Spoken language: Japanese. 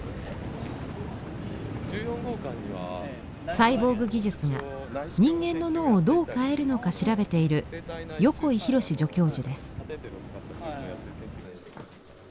サイボーグ技術が人間の脳をどう変えるのか調べている横井浩史助教授です。